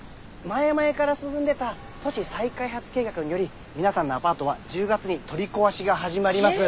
前々から進んでた都市再開発計画により皆さんのアパートは１０月に取り壊しが始まります。